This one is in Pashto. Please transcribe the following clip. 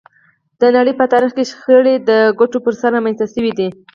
د نړۍ په تاریخ کې شخړې د ګټو پر سر رامنځته شوې دي